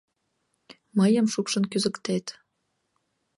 Мыйым шупшын кӱзыктет».